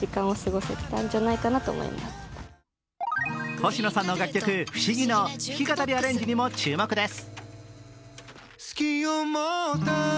星野さんの楽曲「不思議」の弾き語りアレンジにも注目です。